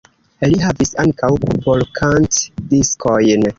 Li havis ankaŭ popolkant-diskojn.